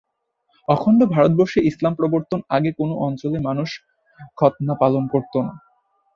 অখণ্ড ভারতবর্ষে ইসলাম প্রবর্তনের আগে কোন অঞ্চলের মানুষ খৎনা পালন করত না।